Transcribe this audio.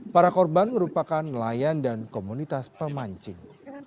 para korban merupakan nelayan dan komunitas pemancing